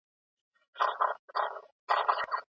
د نجونو د پوهنتون لپاره جلا ودانۍ نه وي.